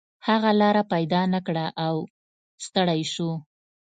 هغه لاره پیدا نه کړه او ستړی شو.